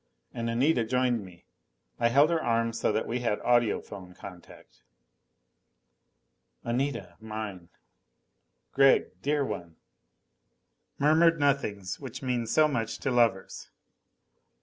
And Anita joined me. I held her arm so that we had audiphone contact. "Anita, mine." "Gregg dear one!" Murmured nothings which mean so much to lovers!